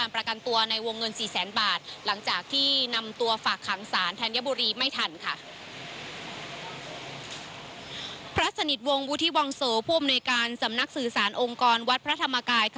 พระสนิทวงศ์วุฒิวังโสผู้อำนวยการสำนักสื่อสารองค์กรวัดพระธรรมกาย